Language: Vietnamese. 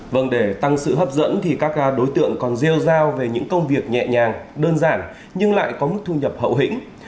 vâng để tăng sự hấp dẫn thì các đối tượng còn rêu giao về những công việc nhẹ nhàng đơn giản nhưng lại có mức thu nhập hậu hĩnh